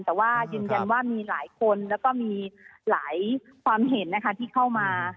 แต่ว่ายืนยันว่ามีหลายคนแล้วก็มีหลายความเห็นนะคะที่เข้ามา